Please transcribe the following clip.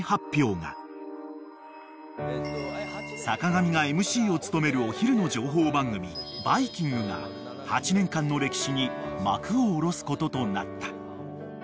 ［坂上がＭＣを務めるお昼の情報番組『バイキング』が８年間の歴史に幕を下ろすこととなった］